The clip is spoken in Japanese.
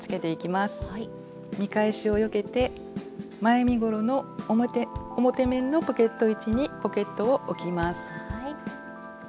見返しをよけて前身ごろの表面のポケット位置にポケットを置きます。